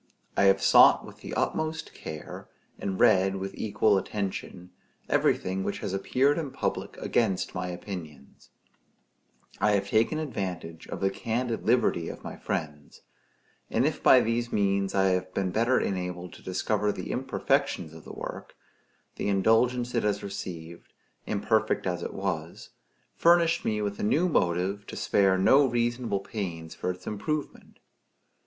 I have sought with the utmost care, and read with equal attention, everything which has appeared in public against my opinions; I have taken advantage of the candid liberty of my friends; and if by these means I have been better enabled to discover the imperfections of the work, the indulgence it has received, imperfect as it was, furnished me with a new motive to spare no reasonable pains for its improvement.